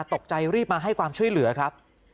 ตกใจรีบมาให้ความช่วยเหลือครับ